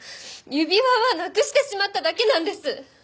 指輪はなくしてしまっただけなんです！